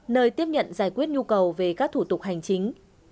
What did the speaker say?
nơi tiếp nhận giải quyết nhu cầu về các thủ tục hành chính